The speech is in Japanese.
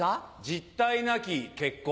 実態なき結婚。